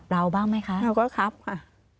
เราก็ครับค่ะ